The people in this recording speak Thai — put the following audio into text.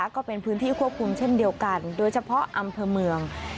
ก็เป็นพื้นที่ควบคุมเช่นเดียวกันโดยเฉพาะอำเภอเมือง